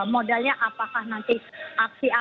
modalnya apakah nanti aksi aksi diberikan